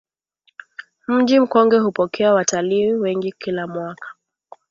Mji Mkongwe hupokea watalii wengi kila mwaka